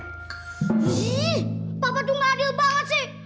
ih papa tuh gak adil banget sih